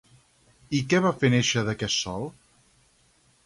I què va fer néixer d'aquest sòl?